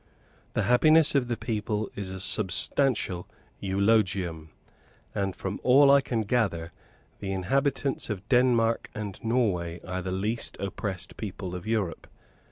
The happiness of the people is a substantial eulogium; and, from all I can gather, the inhabitants of Denmark and Norway are the least oppressed people of Europe.